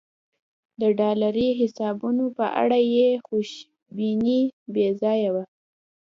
د ډالري حسابونو په اړه یې خوشبیني بې ځایه وه.